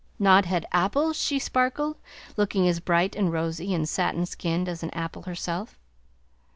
"Nodhead apples?" she sparkled, looking as bright and rosy and satin skinned as an apple herself.